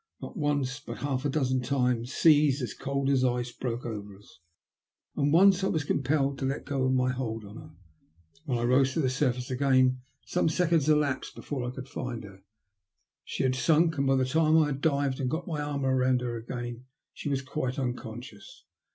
Not once, but half a dozen times, seas, cold as ice, broke over us; and once I was compelled to let go my hold of her. When I rose to the surface again some seconds elapsed before I could find her. She had sunk, and by the time I had dived and got my arm round her again she was quite unconscious.